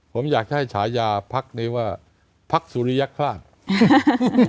ผมอยากจะให้ฉายาพักนี้ว่าพักสุริยคราช